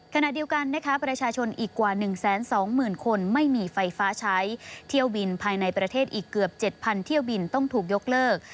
ขณะเดียวกันนะคะประชาชนอีกกว่า๑๒๐๐๐คนไม่มีไฟฟ้าใช้เที่ยวบินภายในประเทศอีกเกือบ๗๐๐เที่ยวบินต้องถูกยกเลิก